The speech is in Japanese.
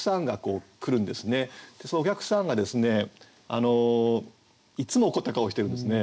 でそのお客さんがですねいつも怒った顔をしてるんですね。